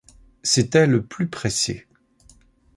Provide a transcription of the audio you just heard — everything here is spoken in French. C’était le plus pressé.